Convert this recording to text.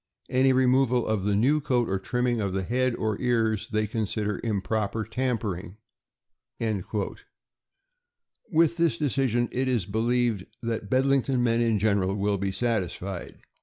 Any removal of the new coat, or trimming of head or ears, they consider improper tampering." With this decision it is believed that Bed lington men in general will be satisfied.